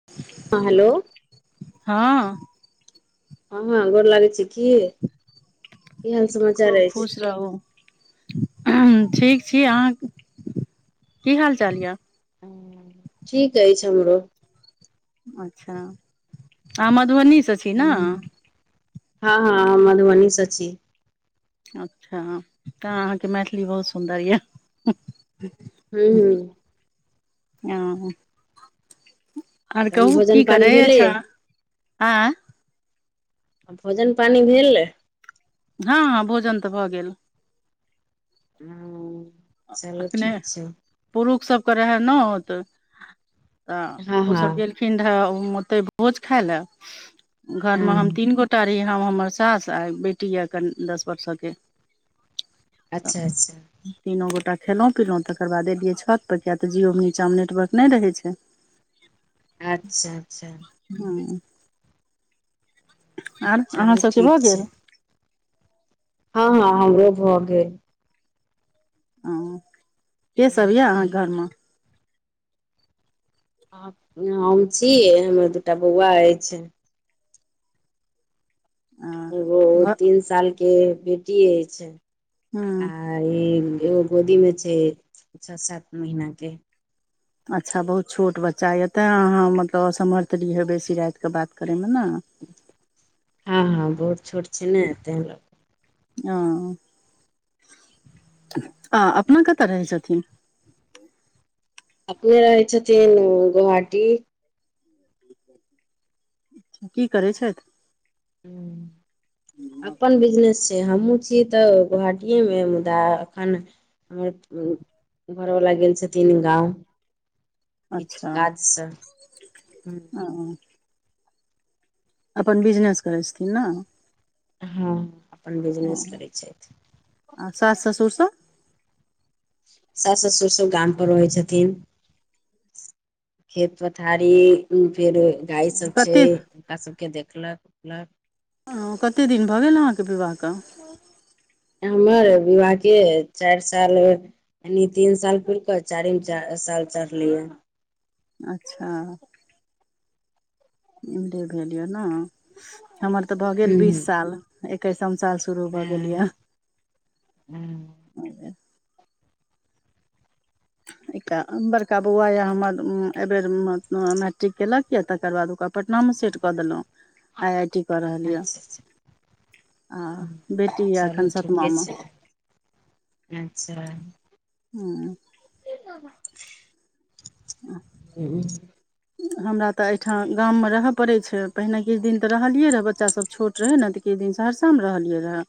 [inaudible] हँ हेलो हँ हँ हँ, गोर लगै छी। की हाल समाचार खूब अछि खुश रहू, ठीक छी अहाँ की हालचाल यऽ ठीक अछि हमरो अच्छा, अहाँ मधुबनी सँ छी ने हँ हँ हम मधुबनी से छी अच्छा तऽ अहाँके मैथिली बहुत सुन्दर यए हूँ हूँ हँ आर तहन कहू, भोजन की पानि करै भेलै छी भोजन-पानी भेलै हँ हँ भोजन तऽ भऽ गेल चलू अखने ठीक छै पुरुष सभके रहै ने, तऽ हँ ओ हँ सभ गेल ठंड ओते भोज खाय लेल हँ घरमे हम तीन गोटा रहि हम, हमर सास आ बेटी यऽ, कनि दस बरखक अच्छा अच्छा तीनू गोटा खेलहुँ, पीलहुँ, तकर बाद एलियै छतपर, किएक तऽ जिओक नीचाँमे नेटवर्क नहि रहै छै। [inaudible] अच्छा अच्छा हँ आर अहाँ चलू सभके ठीक भऽ छै गेल हँ हँ हमरो भऽ गेल आ के सभ यऽ अहाँके घरमे हम छी, हमर दूटा बौआ अछि एगो घर तीन सालक बेटी अछि हँ आ ई कोदीमे छै, छओ-सात महिनाक अच्छा, बहुत छोट बच्चा यऽ, तैं अहाँ मतलब असमर्थ रहै छी बेसी रातिके बात करैमे ने हँ हँ, बहुत छोट छै ने, तेहि लेल ओ अपना कतऽ रहै छथिन अपने रहै छथिन गोहाटी [inaudible] की करै छथि हँ, अपन बिजनेस छै हमहूँ छी तऽ गोहाटीए मे, मुदा एखन हमर घरवला गेल छथि गाँव किछु अच्छा काज सँ हँ हँ अपन बिजनेस करै छथि ने हँ अपन बिजनेस करै छथि आ सास ससुर सभ सास-ससुर सभ गाम पर रहै छथि खेत पथारी उ फेर गाय सभ छै, कतेक हुनका सभके देखलक भाल करै छथि ओ, कतेक दिन भऽ गेल अहाँके विवाहके हमर विवाहके चारि साल भऽ ई तीन साल पूरा कऽ के चारिम साल चढ़लियै अच्छा इमरे भेल यऽ ने हमर तऽ भऽ गेल हूँ बीस हूँ साल, एकैसम साल चलि रहल अछि जुनून भ गेल हँ हँ य एकटा बड़का बौआ यऽ, हमर ए बेर मैट्रिक केलक, तकर बाद ओकर पटना मे सेट कऽ देलहुँ [inaudible] आईआईटी कऽ रहल यऽ, अच्छा अच्छा आ बेटी यऽ चलू एखन ठीके सातमामे छै अच्छा हूँ [inaudible] अह हँ हमरा तऽ एहिठाम गाममे रहय पड़ैत छै पहिने किछु दिन तऽ रहलियै रहए बच्चासभ छोट रहे नेऽ किछ दिन सहरसा मे रहलियै रहै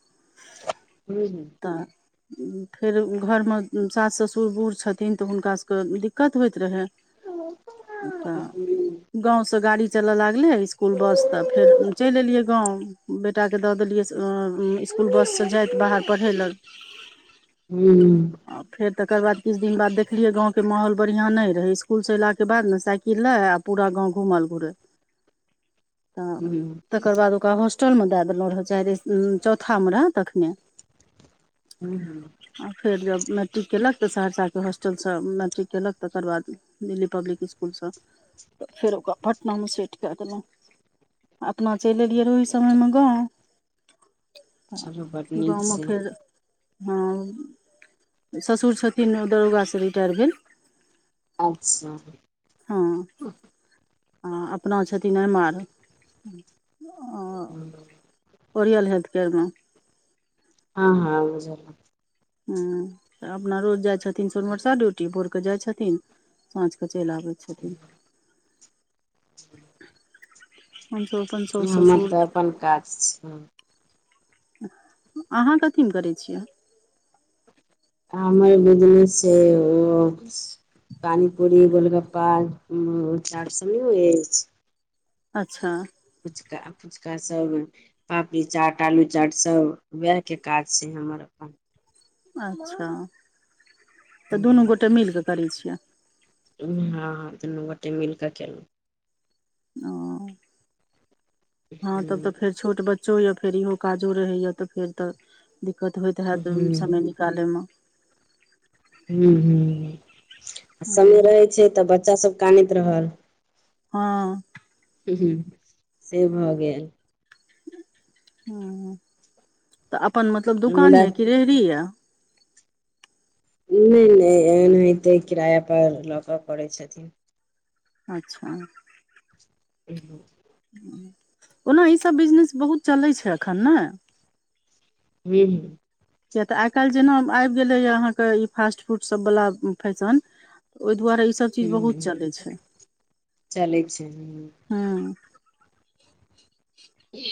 हूँ हूँ तऽ फेर घरमे सास ससुर बूढ़ छथिन तऽ हुनकासभके दिक्कत होइत रहैन तऽ हूँ गाँव से गाड़ी चलऽ लागले स्कुल बस तऽ फेर चलि एलियै गाँव बेटा के दऽ देलिये स्कुल बससँ जाइत बाहर पढ़य लऽ आ फेर तकर बाद किछु दिन बाद देखलियै गाँंव के माहौल बढ़ियाँ नहि रहै स्कुल से एयलाक के बाद ने साइकिल लै आ पुरा गाम घुमल घुरै हूँ तकर बाद ओकरा होस्टलमे दए देलहुँ चौथामे रहै तखने हूँ हूँ आ फेर जब मैट्रिक केलक तऽ सहरसाके हॉस्टलसँ मैट्रिक केलक तकर बाद दिल्ली पब्लिक स्कुलसँ तऽ फेर ओकरा पटनामे सेट कए देलहुँ अपना चलि एलियै रह ओहि समयमे गाँव चलू बड नीक गाँवमे छै फेर हँ ससुर छथिन दरोगासँ रिटायर भेल अच्छा हँ आ अपना छथिन एम आर हूँ ओरियल हेल्थ केयर मे हँ हँ आब बुझलियै हँ अपना रोज जाय छथिन सोनमरसा ड्यूटी भोर के जाय छथिन साँझ के चलि आबैत छथिन हमसभ अपन सासु हमर ससुर तऽ अपन काज छै अहाँ कथीमे करै छियै हमर बिजनेस छै ओ पानी पूड़ी गोलगप्पा चाउर सब नहि होइ अछि अच्छा फुचका फुचका सभ पापड़ी चाट आलू चाट सब वएहके काज छै हमर अपन अच्छा तऽ दुनू हँ गोटे मिलकेऽ करै छियै हँ दुनू गोटे मिल कऽ केलहुँ ओ हँ तब तऽ हूँ फेर छोट बच्चो य फेर इहो काजो रहैए तऽ फेर तऽ दिक्कत होइत हेत समय निकालैमे हँ हँ आ समय हँ रहै छै तऽ बच्चा सब कानैत रहल हँ हूँ हूँ से भऽ गेल हँ तऽ अपन मतलब दुकान मुदा यऽ कि रेहड़ी यऽ नहि नहि एनाहिते किराया पर लऽ कऽ करै छथिन अच्छा ओहो ओना ई सब बिजनेस बहुत चलै छै एखन ने हुँ हुँ किए तऽ आइ काल्हि जेना आबि गेलैए अहाँके ई फास्ट फूड सभ वला फैशन ओहि दुआरे ई सभ चीज बहुत हूँ चलै छै चलै छै हँ ह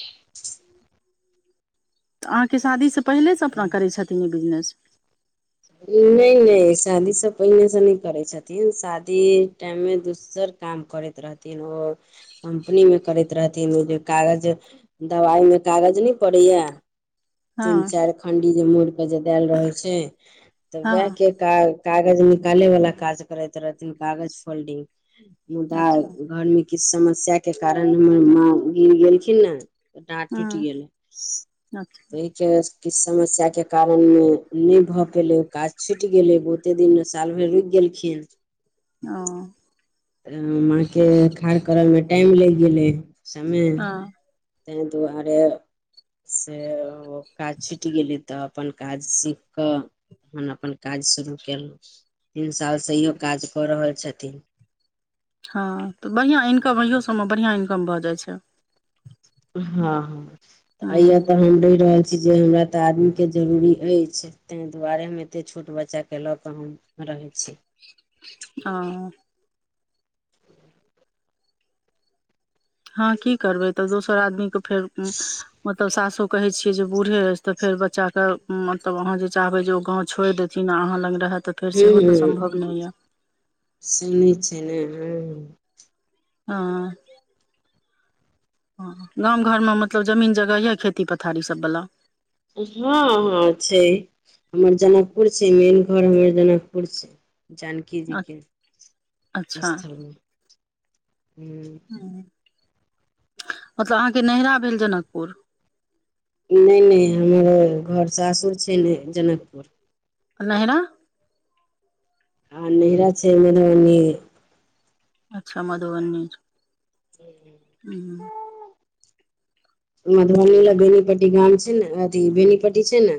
तऽ अहाँके शादीसँ पहिलेसँ अपना करै छथि ई बिजनेस नहि नहि, शादी सभ पहिने सँ नहि करै छथि शादी टाइममे दोसर काज करैत रहथिन कम्पनीमे करैत रहथिन ओ जे कागज दबाइमे कागज नहि पड़ैया हँ तीन चारि खंडी जे मड़के देल रहे छै तऽ हँ बैंकक कागज निकाले वाला काज करैत रहथिन कागज फोल्डिंग मुदा अच्छा घरमे किछु समस्या के कारण हमर माँ गिर गेलखिन ने तऽ डाँट टूटि हँ गेलै अच्छा तऽ के किछु समस्या के कारण नहि भऽ पहिने ओ काज छुटि गेलै, बहुते दिन साल भरि रुकि गेलखिन ओ तऽ माँके ठाढ़ करबामे टाइम लागि गेलै, समय हँ तैहि दुआरे सँ काज छुटि गेली तखन अपन काज सीख कऽ हम अपन काज शुरू कयलहुँ तीन सालसँ आहों काज कऽ रहल छथिन तऽ बढ़िआँ इनकम इहो सभमे बढ़िआँ इनकम भऽ जाइ छै हँ हँ अ हँ तऽ हमडे रह जे हमरा तऽ आदमीके जरूरी अछि ताहि दुआरे हम एतेक छोट बच्चाके लऽ कऽ हम [unintelligible] हां हँ की करबै? तऽ दोसर आदमीके फेर मतलब सासो कहै छियै, बूढ़े आइछ तऽ फेर बच्चा के मतलब अहाँ जे चाहबै ओ गाऊ छोड़ि देथिन, आ अहाँ लग रहै तँ फेर सेहो तँ सम्भव नहि यऽ से नहि छै रे। आह। गाम-घरमे मतलब जमीन जगह य खेती-पथारी सभवाला। हँ हँ छै हमर जनकपुर छै मेन घर हमर जनकपुर छै जानकी जीके अच्छा स्थलमे हम मतलब अहाँके नैहरा भेल जनकपुर नई नई हमर घर सासुर छै ले जनकपुर नहिरा हमर नहीरा छाई मधुबनी अच्छा मधुबनी छै [unintelligible] हुन मधुबनी अ बेनीपट्टी गाम छै ने अथी बेनीपट्टी छै ने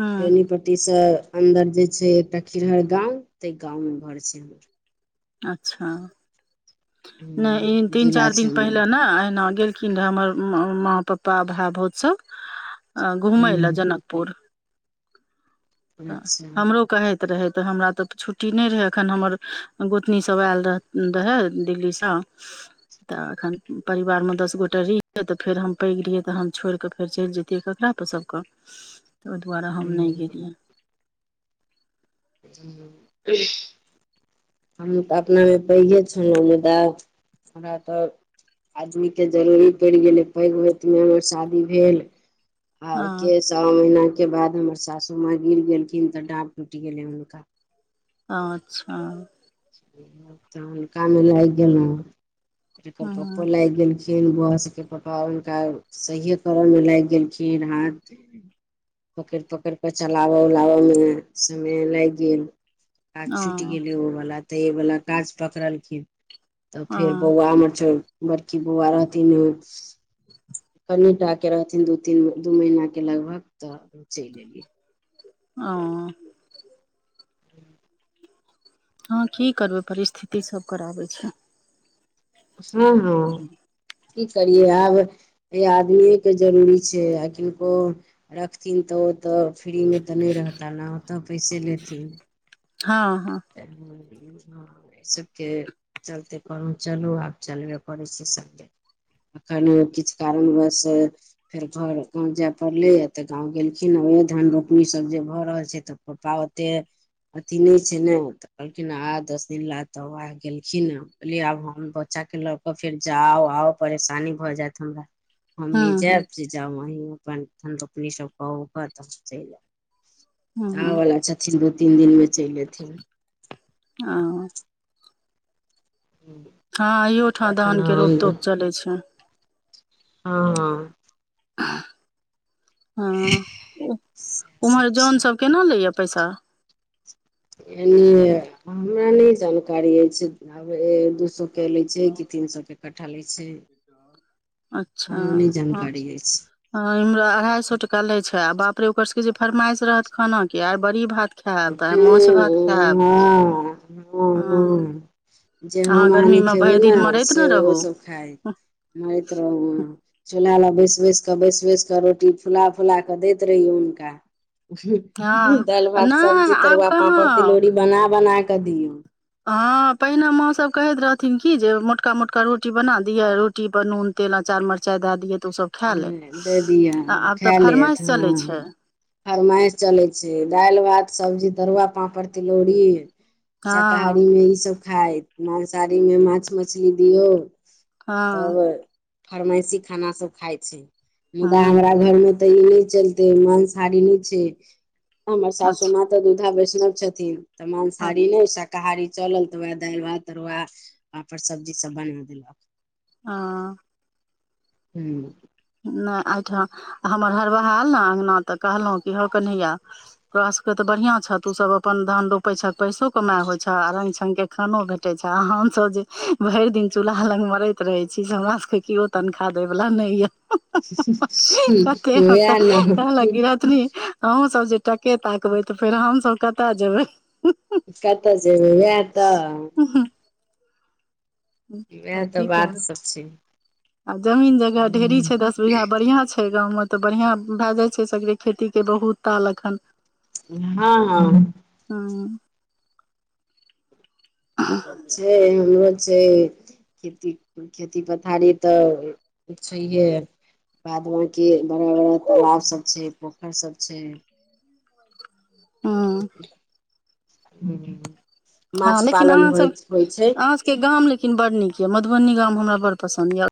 हँ बेेनीपट्टी से अन्दर जे छै एकटा खीरहर गांव ते गांव मे घर छै हमर अच्छा न इ ह तीन जिला चार छै दिन पहिले मधुबनी ने एहिना गेल एखिन हमर माँ पापा भाय भौज सभ घुमय लए जनकपुर गेल छथि ह तऽ अच्छा हमरो कहैत रहै तऽ हमरा तऽ छुट्टी नहि रहै एखन हमर गोतनी सभ आयल रहै दिल्लीसँ तऽ एखन परिवारमे दस गोटा रहियै तऽ फेर हम पैघ रहियै तऽ हम छोड़िकऽ फेर चलि जतियै ककरापर सभके [inaudible] तऽ ओहि दुआरे हम नहि गेलियनि हम तऽ अपनामे पैघे छलहुँ मुदा हमरा तऽ आदमीके जरूरी पड़ि गेलै पैघ होतिमे हममे शादी भेल हँ आके सओ महीनाके बाद हमर सासू माँ गिर गेलखिन तऽ डाँर टूटि गेलै हुनका अच्छा त हुनकामे लागि गेलहु एकर पप्पो हँ लागि गेलखिन बौआ सबके पप्पा हुनका सहिए करऽ मे लागि गेलखिन हाथ पकड़ि पकड़ि कऽ चलाबऽ उलाबऽ मे समय लागि गेल काज छुटि हँ गेलै ओ वला तऽ एहि वला काज पकड़लखिन तऽ फेर हँ बौआ हमर छ बड़की बौआ रहथिन [inaudible] कनी टा के रहथिन दू तीन दू महीना के लगभग त चलि एलियै अ हँ की करबै परिस्थिति सब कराबै छै हँ हँ की करियै आब ह आदमीए के जरूरी छै आ किनको रखथिन तऽ ओ तऽ फ्रीमे तऽ नहि रहता ने ओतऽ पैसे लेथिन हँ हँ त [unintelligible] ह एहि सभके चलते करू चलू आब चलबे करै छै सभज अखन किछु कारणवस फेर घर गाँव जाय पड़लै तऽ गाँव गेलखिन हे ओ धान रोपनी सभ जे भऽ रहल छै तऽ पप्पा ओते अथी नहि छै ने ओ कहलखिन आ दस दिन ला तऽ उएह गेलखिन हे बझलियए आब हम बच्चा के लऽ कऽ फेर जाउ आउ परेशानी भऽ जायइत हमरा हमनी हूँ जायब हूँ से जाब वही अपन धोपनी सब कह त हम चलि हूँ आयब आब' हूँ वला छथिन दू तीन दिनमे चलि अयथिन ओ [inaudible] हँ अयो ठाम एखन धानके रोप हम तोप चलैत छै हँ हँ हँ सएह सब ओम्हर छै जन सब केना लैए पैसा ए हमरा नहि जानकारी अछि आब द सो के ले छै कि तीन सए के कठ्ठा लै छै हमरा नहि जानकारी अछि ह इमरा अढ़ाई सए टका ले छै आ बाप रे ओकर सब जे फरमाइश रहत खाना के आइ बड़ी भात खायब ओ तऽ आइ माछ भात खायब हँ हँ हँ जे अहाँ हम आहाँ नै गर्मीमे भरि खेबै ने दिन मरैत ने से ओ रहू सभ खायत मरैत रहू चुल्हा लग बैसि बैस कऽ बैस बैस कऽ रोटी फुला फुला कऽ दैत रहियौ हुनका हँ दालि भात नहि सब्जी आब तरुआ पापड़ कहाँ तिलौरी बना बना कऽ दियऔ हँ पहिने माँसभ कहैत रहथिन कि जे मोटका मोटका रोटी बना दियह रोटी पर नून तेल अचार मरचाइ दए दियै तऽ ओ सब खा ले दे दिअ आब तऽ फरमाइश चलै छै फरमासि चलै छै दालि भात सब्जी तरुआ पापड़ तिलौरी हँ शाकाहारीमे इ सभ खाय मांसाहारीमे माछ मछली दियौ हँ तब फरमाइशी खाना सब खााय छै मुदा हमरा हँ घरमे तऽ ई नहि चलते माँंसहारी नहि छै हमर सासू अच्छा माँ तऽ दुधा वैष्णव छथिन त हँ मांसाहाड़ी नहि कहारी चलल तऽ वएह दालि भात तरुआ पापर सब्जी सब बना देलक हं हूँ नहि एहिठाम हमर हरबाहा आयल ने अङ्गना तऽ कहलहुँ कि हौ कन्हैया तोरा सबके तऽ बढ़िया छ तू सब अपन धान रोपे छह पैसो कमााय होय छ छै आ रंगग छंग के खानो भेटे छै आ हम सभ जे भरि दिन चूल्हा लग मरैत रहे छी से हमरा सबके केओ तनखाह देय वाला नहि या हुँ हह कते ह हँसल वएह कहलक ने गिरहतनी अहूँ सब जे टके ताकबै तऽ फेर हमसभ कतय जेबै कतय जेबै उएह तऽ आओर वएह तऽ की बात कहु सब छै आ जमीन जगह ढेरी ह छै दस बीघा बढ़िया छै छै गाँवमे तऽ बढ़िआं भए जाइ छै सगरे खेती के बहुत ताल एखन हँ हँ हुँ छै हमरो छै खेती खेती पथारी तऽ छै हे बाद बाँकी बड़ा बड़ा तालाब सब छै पोखरि सब छै हूं माछ पालन होइ होइ छै के गाम लेकिन बड़ नीक यऽ मधुबनी गाम हमरा बड़ पसन्द यऽ